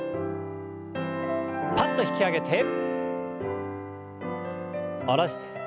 パッと引き上げて下ろして。